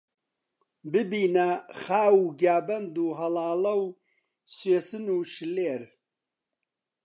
ببینە خاو و گیابەند و هەڵاڵە و سوێسن و شللێر